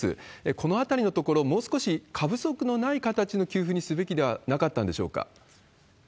このあたりのところ、もう少し過不足のない形の給付にすべきではなかったんでしょうか。